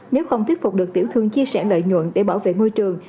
nếu không thuyết phục được tiểu thương chia sẻ lợi nhuận để bảo vệ môi trường